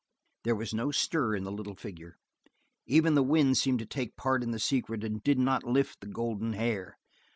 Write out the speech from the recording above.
There was no stir in the little figure. Even the wind seemed to take part in the secret and did not lift the golden hair.